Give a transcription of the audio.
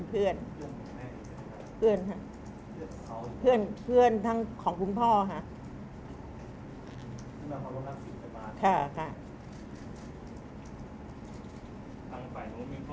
มีประตานกับลูกในครอบครัวจนทะเลาะกันแล้วก็ฝั่งลูกสาวขนาดนี้ก็คือมาคุยกับคุณแม่